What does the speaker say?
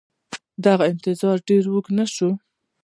دغه انتظار ډېر اوږد نه شو